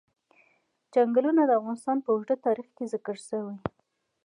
چنګلونه د افغانستان په اوږده تاریخ کې ذکر شوی دی.